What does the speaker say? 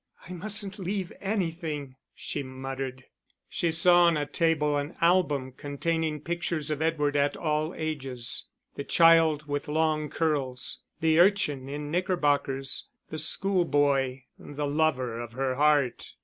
"I musn't leave anything," she muttered. She saw on a table an album containing pictures of Edward at all ages, the child with long curls, the urchin in knickerbockers, the schoolboy, the lover of her heart.